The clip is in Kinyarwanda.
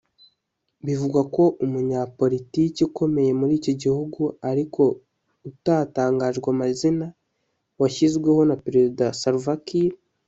Bivugwa ko umunyapolitike ukomeye muri iki gihugu ariko utatangajwe amazina washyizweho na Perezida Salva Kiir